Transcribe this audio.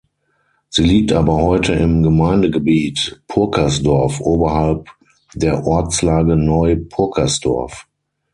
Sie liegt aber heute im Gemeindegebiet Purkersdorf, oberhalb der Ortslage Neu-Purkersdorf.